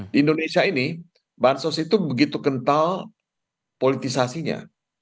di indonesia ini bansos itu begitu kental politisasinya